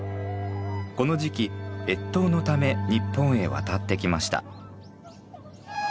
この時期越冬のため日本へ渡ってきました。